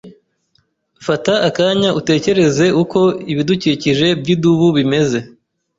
Fata akanya utekereze uko ibidukikije byidubu bimeze.